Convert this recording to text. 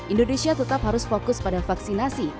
indonesia tetap harus fokus pada vaksinasi